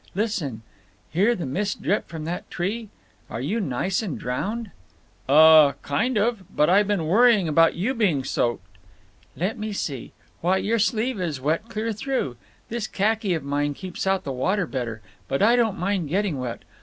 Listen! Hear the mist drip from that tree. Are you nice and drowned?" "Uh—kind of. But I been worrying about you being soaked." "Let me see. Why, your sleeve is wet clear through. This khaki of mine keeps out the water better…. But I don't mind getting wet.